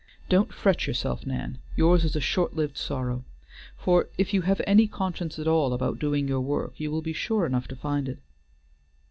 "Don't fret yourself, Nan, yours is a short lived sorrow; for if you have any conscience at all about doing your work you will be sure enough to find it."